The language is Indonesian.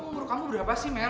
umur kamu berapa sih mel